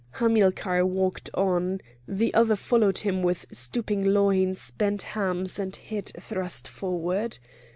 Hamilcar walked on; the other followed him with stooping loins, bent hams, and head thrust forward.